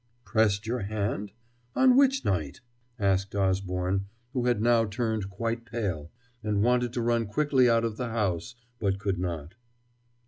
"Pressed your hand! on which night?" asked Osborne, who had now turned quite pale, and wanted to run quickly out of the house but could not.